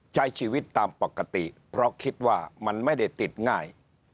ใช้ชีวิตตามปกติเพราะคิดว่ามันไม่ได้ติดง่าย